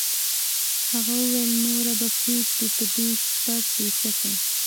هغه وویل نوره به پرېږدو په دې شپه پیچکه